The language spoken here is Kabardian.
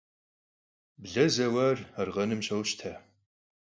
Ble zeuar arkhenım şoşte.